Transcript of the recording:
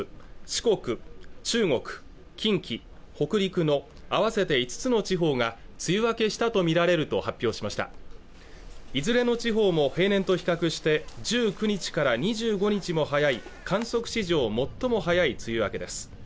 四国中国近畿北陸の合わせて５つの地方が梅雨明けしたとみられると発表しましたいずれの地方も平年と比較して１９日から２５日も早い観測史上最も早い梅雨明けです